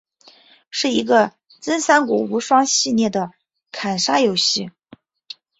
是一个真三国无双系列的砍杀游戏。